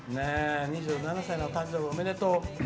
２７歳の誕生日おめでとう。